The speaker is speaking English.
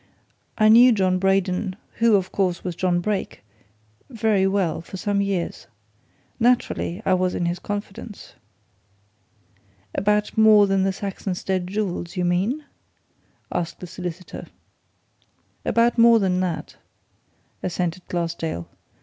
I knew John Braden who, of course, was John Brake very well, for some years. Naturally, I was in his confidence." "About more than the Saxonsteade jewels, you mean?" asked the solicitor. "About more than that," assented Glassdale.